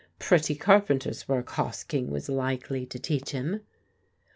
Pretty carpenter's work Hosking was likely to teach him!